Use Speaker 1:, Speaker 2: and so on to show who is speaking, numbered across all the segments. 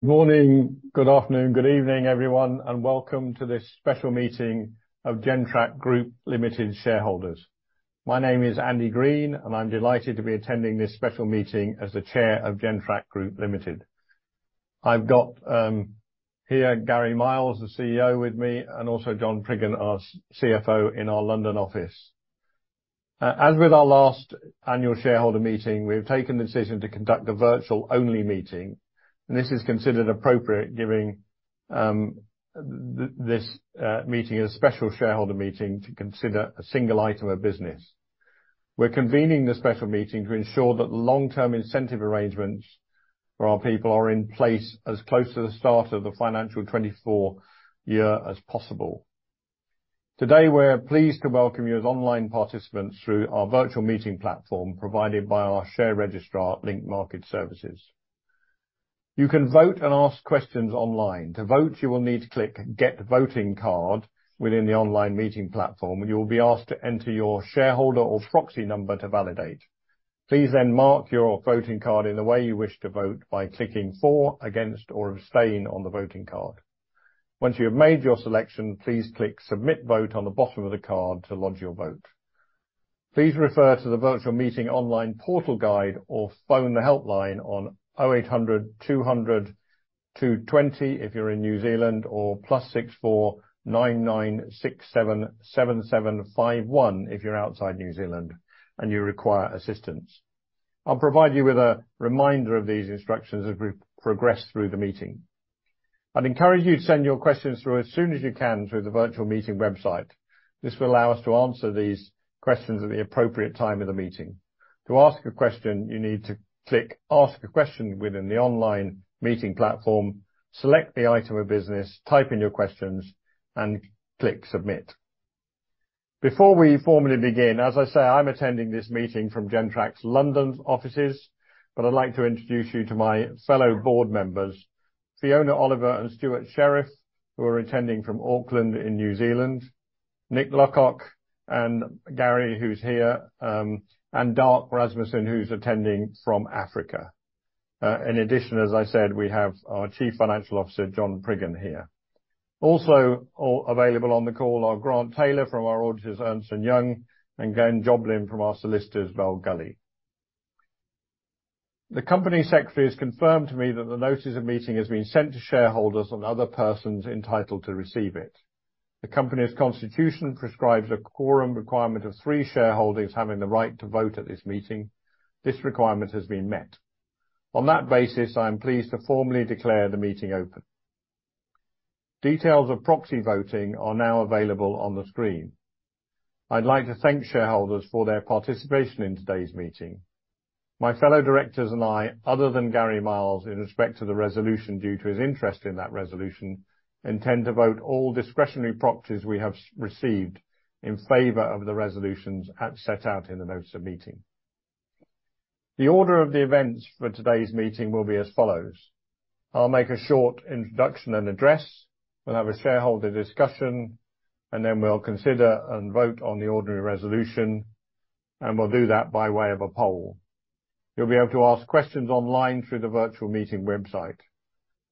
Speaker 1: Good morning, good afternoon, good evening, everyone, and welcome to this special meeting of Gentrack Group Limited shareholders. My name is Andy Green, and I'm delighted to be attending this special meeting as the chair of Gentrack Group Limited. I've got here Gary Miles, the CEO, with me, and also John Priggen, our CFO in our London office. As with our last annual shareholder meeting, we have taken the decision to conduct a virtual-only meeting, and this is considered appropriate, given this meeting is a special shareholder meeting to consider a single item of business. We're convening this special meeting to ensure that long-term incentive arrangements for our people are in place as close to the start of the financial 2024 year as possible. Today, we're pleased to welcome you as online participants through our virtual meeting platform, provided by our share registrar, Link Market Services. You can vote and ask questions online. To vote, you will need to click Get Voting Card within the online meeting platform, and you will be asked to enter your shareholder or proxy number to validate. Please then mark your voting card in the way you wish to vote by clicking for, against, or abstain on the voting card. Once you have made your selection, please click Submit Vote on the bottom of the card to lodge your vote. Please refer to the virtual meeting online portal guide or phone the helpline on 0800-200-220 if you're in New Zealand, or +64 9 967 7751 if you're outside New Zealand and you require assistance. I'll provide you with a reminder of these instructions as we progress through the meeting. I'd encourage you to send your questions through as soon as you can through the virtual meeting website. This will allow us to answer these questions at the appropriate time in the meeting. To ask a question, you need to click Ask a Question within the online meeting platform, select the item of business, type in your questions, and click Submit. Before we formally begin, as I say, I'm attending this meeting from Gentrack's London's offices, but I'd like to introduce you to my fellow board members, Fiona Oliver and Stewart Sherriff, who are attending from Auckland in New Zealand, Nick Luckock and Gary, who's here, and Darc Rasmussen, who's attending from Africa. In addition, as I said, we have our Chief Financial Officer, John Priggen, here. Also, all available on the call are Grant Taylor from our auditors, Ernst & Young, and Glenn Joblin from our solicitors, Bell Gully. The company secretary has confirmed to me that the notice of meeting has been sent to shareholders and other persons entitled to receive it. The company's constitution prescribes a quorum requirement of three shareholders having the right to vote at this meeting. This requirement has been met. On that basis, I am pleased to formally declare the meeting open. Details of proxy voting are now available on the screen. I'd like to thank shareholders for their participation in today's meeting. My fellow directors and I, other than Gary Miles, in respect to the resolution, due to his interest in that resolution, intend to vote all discretionary proxies we have received in favor of the resolutions as set out in the notice of meeting. The order of the events for today's meeting will be as follows: I'll make a short introduction and address, we'll have a shareholder discussion, and then we'll consider and vote on the ordinary resolution, and we'll do that by way of a poll. You'll be able to ask questions online through the virtual meeting website.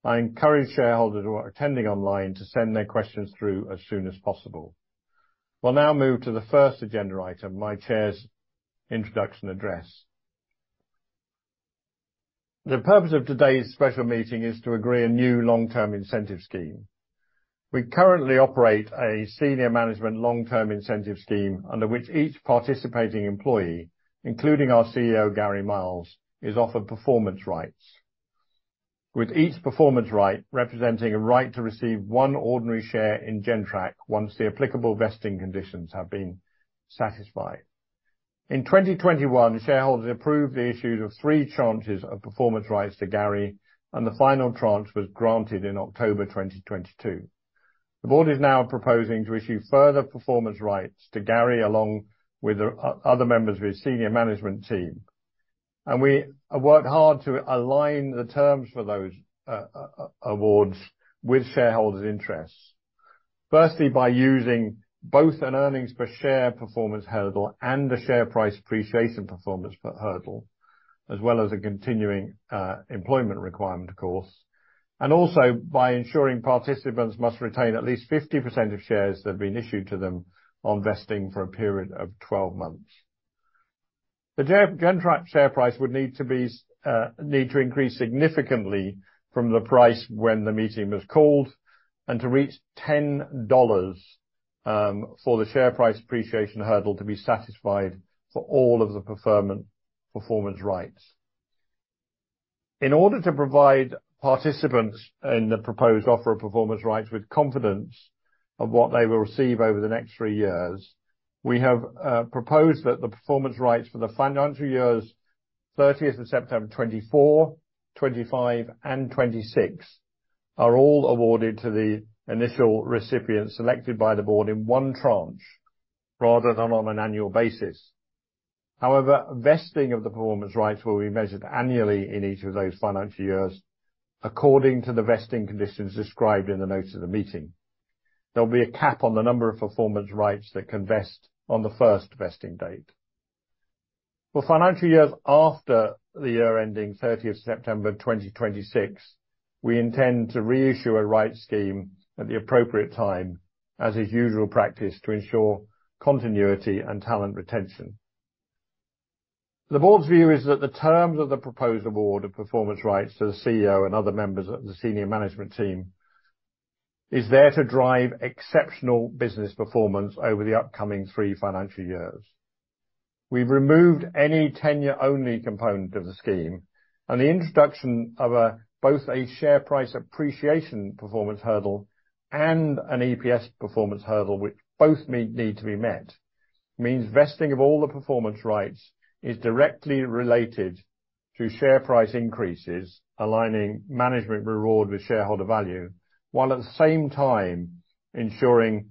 Speaker 1: I encourage shareholders who are attending online to send their questions through as soon as possible. We'll now move to the first agenda item, my chair's introduction address. The purpose of today's special meeting is to agree a new long-term incentive scheme. We currently operate a senior management long-term incentive scheme, under which each participating employee, including our CEO, Gary Miles, is offered performance rights, with each performance right, representing a right to receive one ordinary share in Gentrack once the applicable vesting conditions have been satisfied. In 2021, shareholders approved the issue of three tranches of performance rights to Gary, and the final tranche was granted in October 2022. The board is now proposing to issue further performance rights to Gary, along with other members of his senior management team. And we have worked hard to align the terms for those awards with shareholders' interests. Firstly, by using both an earnings per share performance hurdle and a share price appreciation performance per hurdle, as well as a continuing employment requirement, of course, and also by ensuring participants must retain at least 50% of shares that have been issued to them on vesting for a period of 12 months. The Gentrack share price would need to increase significantly from the price when the meeting was called and to reach 10 dollars for the share price appreciation hurdle to be satisfied for all of the performance rights. In order to provide participants in the proposed offer of performance rights with confidence of what they will receive over the next three years, we have proposed that the performance rights for the financial years, 30th of September 2024, 2025, and 2026, are all awarded to the initial recipient selected by the board in one tranche, rather than on an annual basis. However, vesting of the performance rights will be measured annually in each of those financial years, according to the vesting conditions described in the notice of the meeting. There will be a cap on the number of performance rights that can vest on the first vesting date. For financial years after the year ending 30 September 2026, we intend to reissue a right scheme at the appropriate time, as is usual practice, to ensure continuity and talent retention. The board's view is that the terms of the proposed award of performance rights to the CEO and other members of the senior management team, is there to drive exceptional business performance over the upcoming three financial years. We've removed any tenure-only component of the scheme, and the introduction of a both a share price appreciation performance hurdle and an EPS performance hurdle, which both need to be met, means vesting of all the performance rights is directly related to share price increases, aligning management reward with shareholder value, while at the same time, ensuring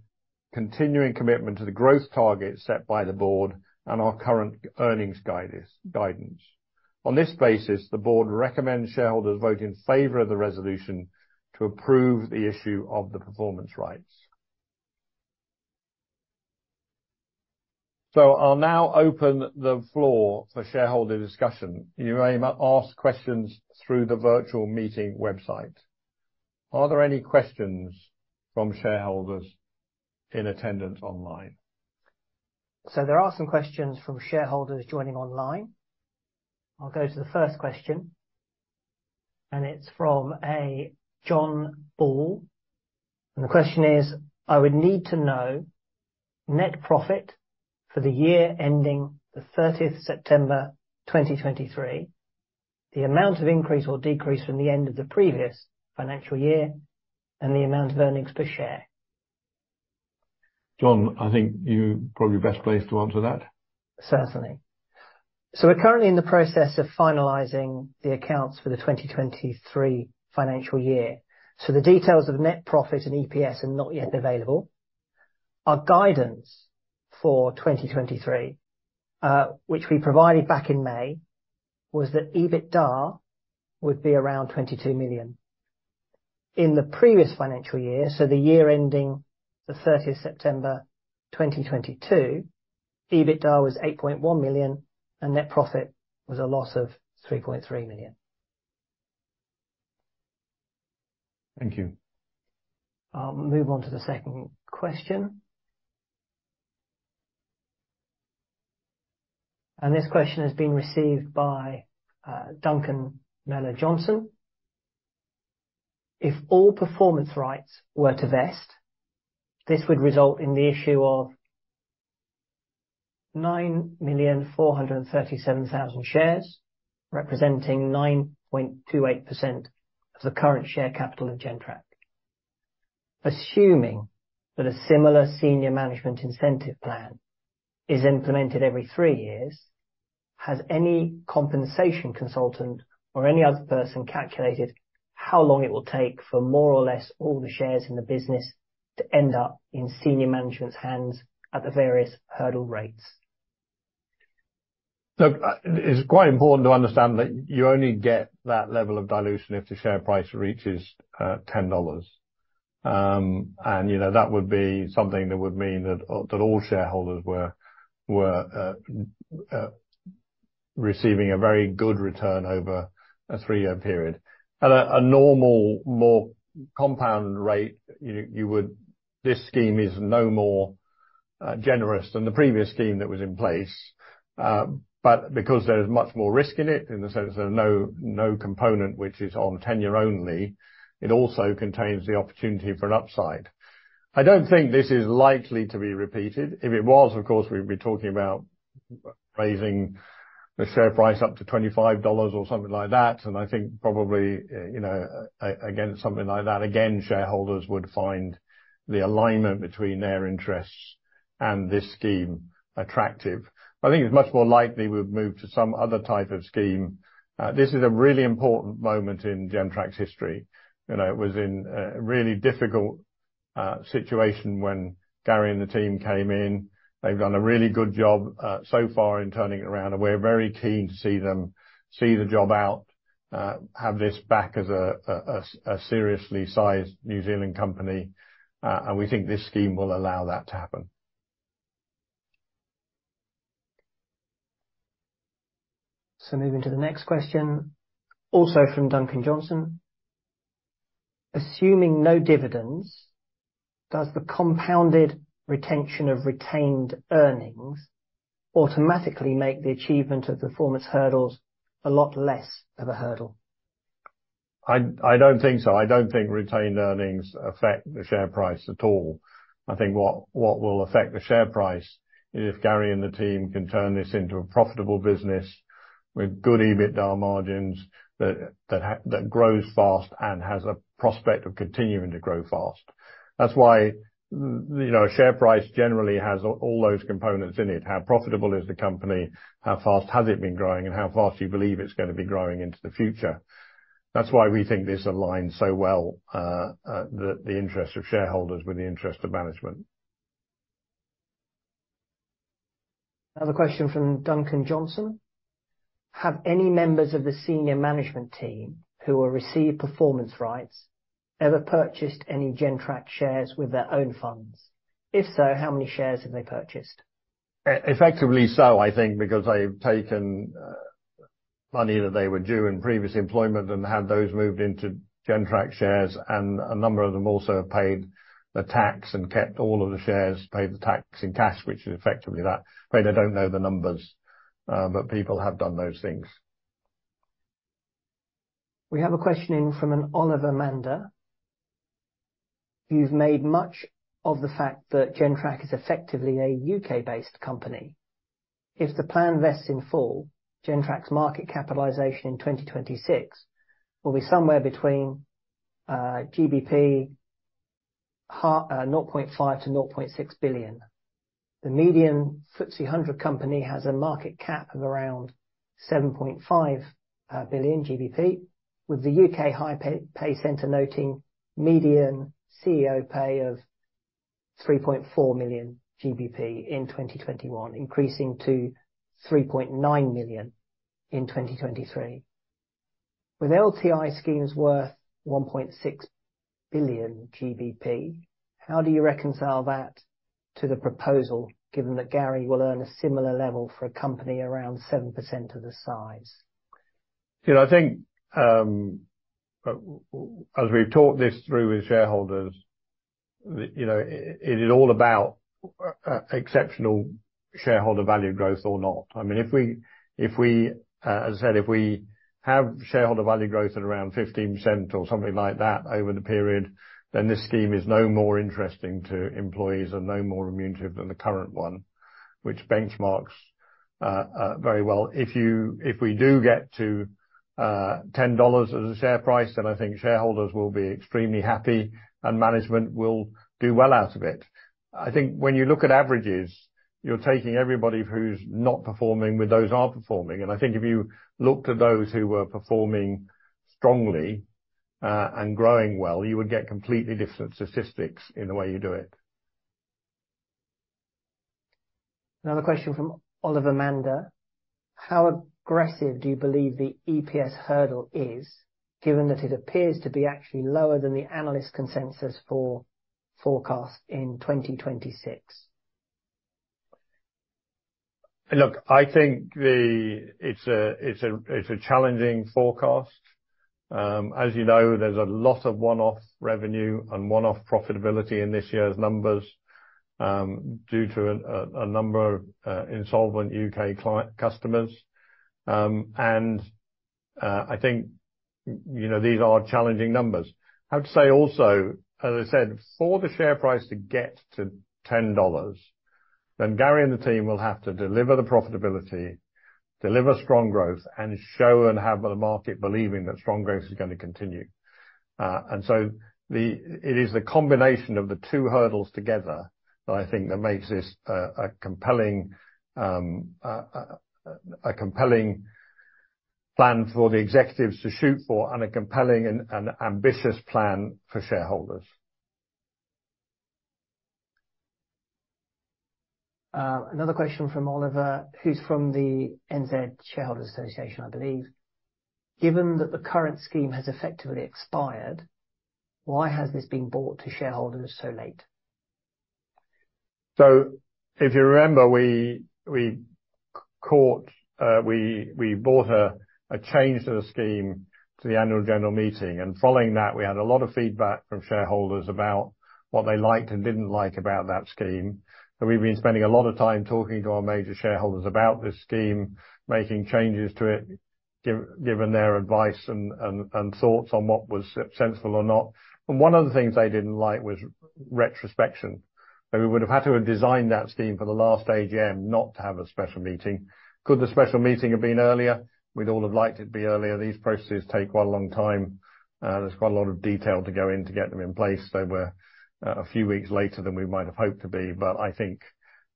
Speaker 1: continuing commitment to the growth targets set by the board and our current earnings guidance. On this basis, the board recommends shareholders vote in favor of the resolution to approve the issue of the performance rights. So I'll now open the floor for shareholder discussion. You may ask questions through the virtual meeting website. Are there any questions from shareholders in attendance online?
Speaker 2: There are some questions from shareholders joining online. I'll go to the first question, and it's from John Ball, and the question is: I would need to know net profit for the year ending the thirtieth September, 2023, the amount of increase or decrease from the end of the previous financial year, and the amount of earnings per share.
Speaker 1: John, I think you're probably best placed to answer that.
Speaker 2: Certainly. So we're currently in the process of finalizing the accounts for the 2023 financial year. So the details of net profit and EPS are not yet available. Our guidance for 2023, which we provided back in May, was that EBITDA would be around 22 million. In the previous financial year, so the year ending the thirtieth September, 2022, EBITDA was 8.1 million, and net profit was a loss of 3.3 million.
Speaker 1: Thank you.
Speaker 2: I'll move on to the second question. This question has been received by Duncan Mellor Johnson: If all performance rights were to vest, this would result in the issue of 9,437,000 shares, representing 9.28% of the current share capital in Gentrack. Assuming that a similar senior management incentive plan is implemented every three years, has any compensation consultant or any other person calculated how long it will take for more or less all the shares in the business to end up in senior management's hands at the various hurdle rates?
Speaker 1: Look, it's quite important to understand that you only get that level of dilution if the share price reaches 10 dollars. You know, that would be something that would mean that all shareholders were receiving a very good return over a three-year period. At a normal, more compound rate, you would, this scheme is no more generous than the previous scheme that was in place, but because there is much more risk in it, in the sense there's no component which is on tenure only, it also contains the opportunity for an upside. I don't think this is likely to be repeated. If it was, of course, we'd be talking about raising the share price up to 25 dollars or something like that, and I think probably, you know, again, something like that, again, shareholders would find the alignment between their interests and this scheme attractive. But I think it's much more likely we'd move to some other type of scheme. This is a really important moment in Gentrack's history. You know, it was in a really difficult situation when Gary and the team came in. They've done a really good job so far in turning it around, and we're very keen to see them see the job out, have this back as a seriously sized New Zealand company, and we think this scheme will allow that to happen.
Speaker 2: Moving to the next question, also from Duncan Johnson: Assuming no dividends, does the compounded retention of retained earnings automatically make the achievement of performance hurdles a lot less of a hurdle?
Speaker 1: I don't think so. I don't think retained earnings affect the share price at all. I think what will affect the share price is if Gary and the team can turn this into a profitable business, with good EBITDA margins, that grows fast and has a prospect of continuing to grow fast. That's why, you know, share price generally has all those components in it. How profitable is the company? How fast has it been growing? And how fast do you believe it's gonna be growing into the future? That's why we think this aligns so well, the interest of shareholders with the interest of management.
Speaker 2: Another question from Duncan Mellor Johnson: Have any members of the senior management team who will receive performance rights ever purchased any Gentrack shares with their own funds? If so, how many shares have they purchased?
Speaker 1: Effectively so, I think, because they've taken money that they were due in previous employment and had those moved into Gentrack shares, and a number of them also have paid the tax and kept all of the shares, paid the tax in cash, which is effectively that. But I don't know the numbers, but people have done those things.
Speaker 2: We have a questioning from an Oliver Mander: You've made much of the fact that Gentrack is effectively a UK-based company. If the plan vests in full, Gentrack's market capitalization in 2026 will be somewhere between GBP 0.5 billion to 0.6 billion. The median FTSE 100 company has a market cap of around 7.5 billion GBP, with the UK High Pay Centre noting median CEO pay of 3.4 million GBP in 2021, increasing to 3.9 million in 2023. With LTI schemes worth 1.6 billion GBP, how do you reconcile that to the proposal, given that Gary will earn a similar level for a company around 7% of the size?
Speaker 1: You know, I think, as we've talked this through with shareholders, you know, it is all about exceptional shareholder value growth or not. I mean, if we, if we, as I said, if we have shareholder value growth at around 15% or something like that over the period, then this scheme is no more interesting to employees and no more immune to it than the current one, which benchmarks very well. If you, if we do get to $10 as a share price, then I think shareholders will be extremely happy, and management will do well out of it. I think when you look at averages, you're taking everybody who's not performing with those are performing. I think if you looked at those who were performing strongly, and growing well, you would get completely different statistics in the way you do it.
Speaker 2: Another question from Oliver Mander. How aggressive do you believe the EPS hurdle is, given that it appears to be actually lower than the analyst consensus for forecast in 2026?
Speaker 1: Look, I think it's a challenging forecast. As you know, there's a lot of one-off revenue and one-off profitability in this year's numbers, due to a number of insolvent U.K. client customers. I think, you know, these are challenging numbers. I have to say, also, as I said, for the share price to get to $10, then Gary and the team will have to deliver the profitability, deliver strong growth, and show and have the market believing that strong growth is gonna continue. It is the combination of the two hurdles together that I think makes this a compelling, a compelling plan for the executives to shoot for, and a compelling and ambitious plan for shareholders.
Speaker 2: Another question from Oliver, who's from the NZ Shareholders' Association, I believe. Given that the current scheme has effectively expired, why has this been brought to shareholders so late?
Speaker 1: If you remember, we caught, we brought a change to the scheme to the annual general meeting, and following that, we had a lot of feedback from shareholders about what they liked and didn't like about that scheme. We've been spending a lot of time talking to our major shareholders about this scheme, making changes to it, given their advice and thoughts on what was sensible or not. One of the things they didn't like was retrospection. We would have had to have designed that scheme for the last AGM not to have a special meeting. Could the special meeting have been earlier? We'd all have liked it to be earlier. These processes take quite a long time, there's quite a lot of detail to go in to get them in place. So we're a few weeks later than we might have hoped to be, but I think,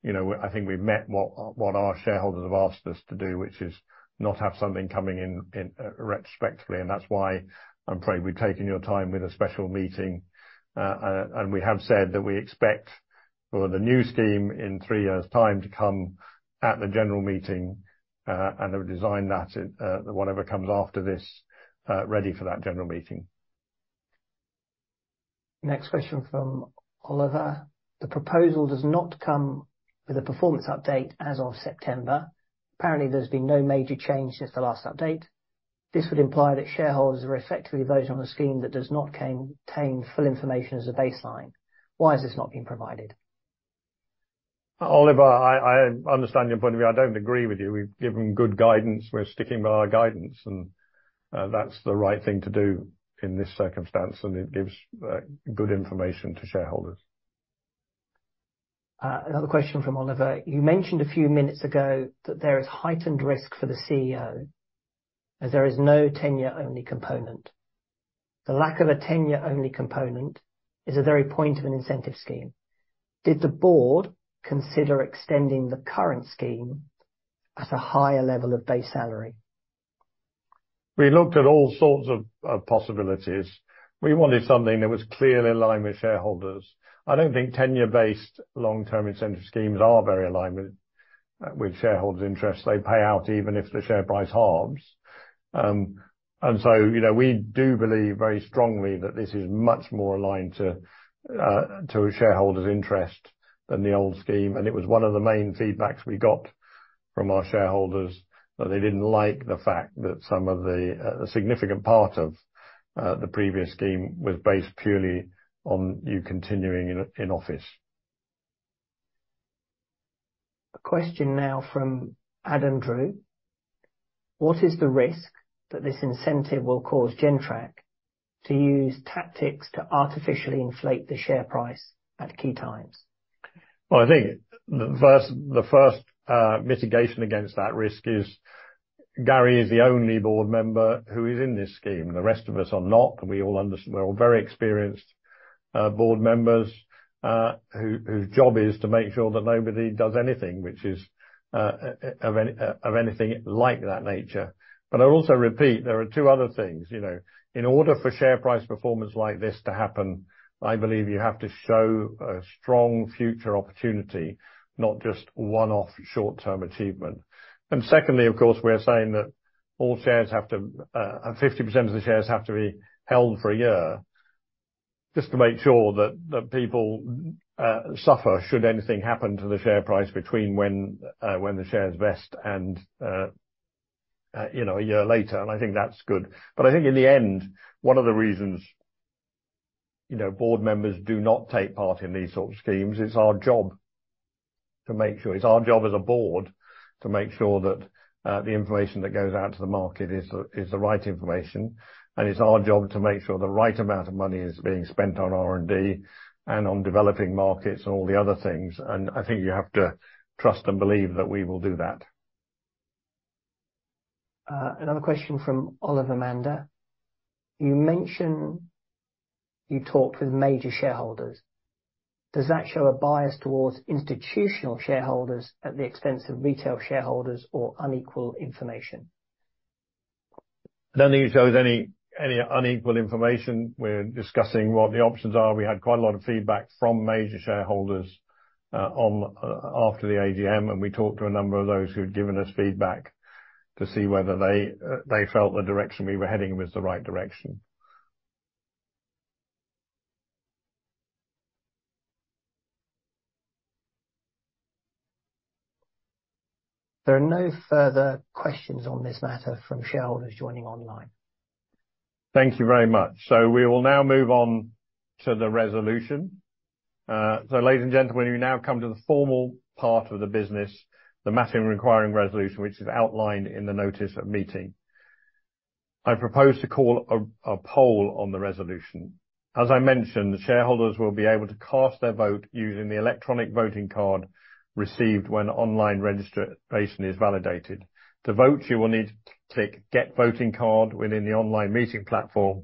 Speaker 1: you know, I think we've met what our shareholders have asked us to do, which is not have something coming in retrospectively, and that's why I'm afraid we've taken your time with a special meeting. And we have said that we expect for the new scheme, in 3 years' time, to come at the general meeting, and have designed that whatever comes after this ready for that general meeting.
Speaker 2: Next question from Oliver: The proposal does not come with a performance update as of September. Apparently, there's been no major change since the last update. This would imply that shareholders are effectively voting on a scheme that does not contain full information as a baseline. Why has this not been provided?
Speaker 1: Oliver, I understand your point of view. I don't agree with you. We've given good guidance, we're sticking by our guidance, and that's the right thing to do in this circumstance, and it gives good information to shareholders.
Speaker 2: Another question from Oliver: You mentioned a few minutes ago that there is heightened risk for the CEO, as there is no tenure-only component. The lack of a tenure-only component is the very point of an incentive scheme. Did the board consider extending the current scheme at a higher level of base salary?
Speaker 1: We looked at all sorts of possibilities. We wanted something that was clearly in line with shareholders. I don't think tenure-based long-term incentive schemes are very aligned with shareholders' interests. They pay out even if the share price halves. And so, you know, we do believe very strongly that this is much more aligned to a shareholder's interest than the old scheme, and it was one of the main feedbacks we got from our shareholders, that they didn't like the fact that some of the significant part of the previous scheme was based purely on you continuing in office.
Speaker 2: A question now from Adam Drew: What is the risk that this incentive will cause Gentrack to use tactics to artificially inflate the share price at key times?
Speaker 1: Well, I think the first mitigation against that risk is Gary is the only board member who is in this scheme, and the rest of us are not, and we're all very experienced board members whose job is to make sure that nobody does anything which is of anything like that nature. But I'll also repeat, there are two other things, you know. In order for share price performance like this to happen, I believe you have to show a strong future opportunity, not just one-off short-term achievement. And secondly, of course, we're saying that all shares have to, 50% of the shares have to be held for a year, just to make sure that, that people suffer, should anything happen to the share price between when, when the share is vest and, you know, a year later, and I think that's good. But I think in the end, one of the reasons, you know, board members do not take part in these sort of schemes, it's our job to make sure. It's our job as a board to make sure that, the information that goes out to the market is the right information, and it's our job to make sure the right amount of money is being spent on R&D and on developing markets and all the other things. I think you have to trust and believe that we will do that.
Speaker 2: Another question from Oliver Mander: You mention you talked with major shareholders. Does that show a bias towards institutional shareholders at the expense of retail shareholders or unequal information?
Speaker 1: I don't think it shows any, any unequal information. We're discussing what the options are. We had quite a lot of feedback from major shareholders, on, after the AGM, and we talked to a number of those who'd given us feedback to see whether they, they felt the direction we were heading was the right direction.
Speaker 2: There are no further questions on this matter from shareholders joining online.
Speaker 1: Thank you very much. We will now move on to the resolution. Ladies and gentlemen, we now come to the formal part of the business, the matter requiring resolution, which is outlined in the notice of meeting. I propose to call a poll on the resolution. As I mentioned, the shareholders will be able to cast their vote using the electronic voting card received when online registration is validated. To vote, you will need to click Get Voting Card within the online meeting platform.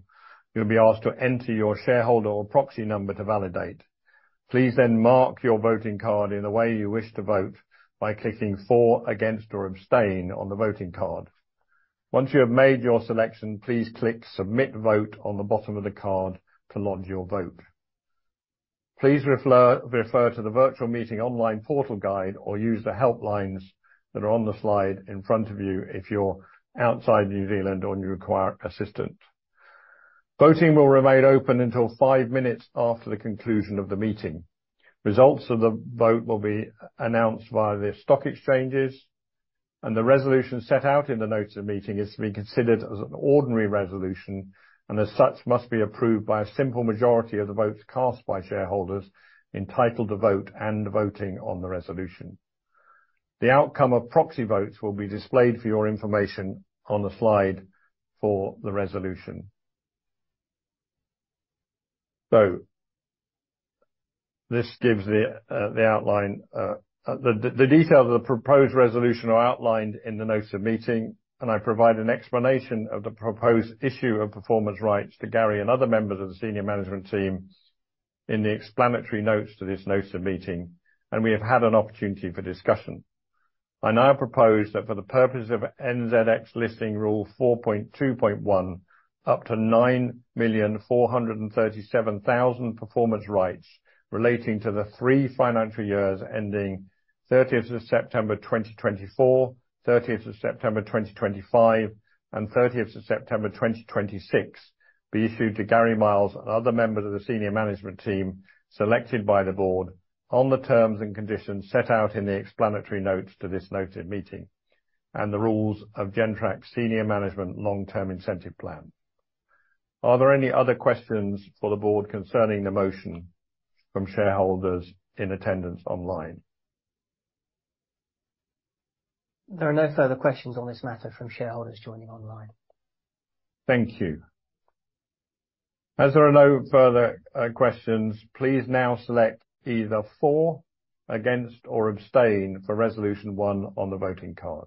Speaker 1: You'll be asked to enter your shareholder or proxy number to validate. Please then mark your voting card in the way you wish to vote by clicking For, Against, or Abstain on the voting card. Once you have made your selection, please click Submit Vote on the bottom of the card to lodge your vote. Please refer to the virtual meeting online portal guide or use the help lines that are on the slide in front of you if you're outside New Zealand or you require assistance. Voting will remain open until five minutes after the conclusion of the meeting. Results of the vote will be announced via the stock exchanges, and the resolution set out in the notice of meeting is to be considered as an ordinary resolution, and as such, must be approved by a simple majority of the votes cast by shareholders entitled to vote and voting on the resolution. The outcome of proxy votes will be displayed for your information on the slide for the resolution. So this gives the outline, the details of the proposed resolution are outlined in the notice of meeting, and I provide an explanation of the proposed issue of performance rights to Gary and other members of the senior management team in the explanatory notes to this notice of meeting, and we have had an opportunity for discussion. I now propose that for the purpose of NZX Listing Rule 4.2.1, up to 9,437,000 performance rights relating to the three financial years ending 30th of September 2024, 30th of September 2025, and 30th of September 2026, be issued to Gary Miles and other members of the senior management team, selected by the board, on the terms and conditions set out in the explanatory notes to this notice of meeting and the rules of Gentrack's senior management long-term incentive plan. Are there any other questions for the board concerning the motion from shareholders in attendance online?
Speaker 2: There are no further questions on this matter from shareholders joining online.
Speaker 1: Thank you. As there are no further questions, please now select either for, against, or abstain for resolution one on the voting card.